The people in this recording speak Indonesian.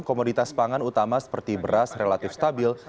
komoditas pangan utama seperti beras relatif stabil